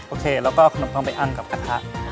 โอเคแล้วก็เอาขนมเข้าไปอั้นกับกระทะ